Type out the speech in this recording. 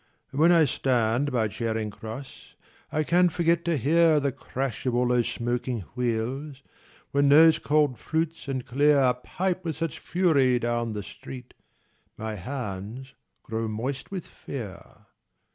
And when I stand by Charing Cross I can forget to hear The crash of all those smoking wheels, When those cold flutes and clear Pipe with such fury down the street. My hands grow moist with fear.